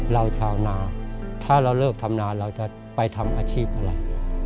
ชาวนาถ้าเราเลิกทำนาเราจะไปทำอาชีพอะไร